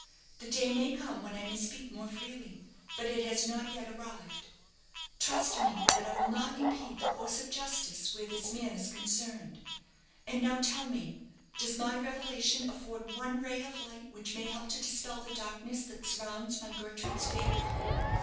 The day may come when I may speak more freely; but it has not yet arrived. Trust me that I will not impede the course of justice where this man is concerned. And now tell me, does my revelation afford one ray of light which may help to dispel the darkness that surrounds my Gertrude's fate?"